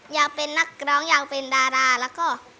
อยากเป็นนักร้องอยากเป็นดาราแล้วก็